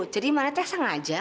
jadi mana teh sengaja